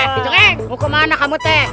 saya tidak mahulad bagi kamu